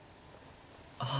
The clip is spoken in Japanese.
ああ。